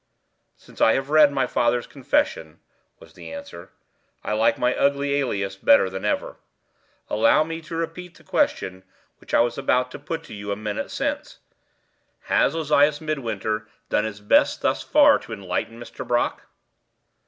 "Since I have read my father's confession," was the answer, "I like my ugly alias better than ever. Allow me to repeat the question which I was about to put to you a minute since: Has Ozias Midwinter done his best thus far to enlighten Mr. Brock?"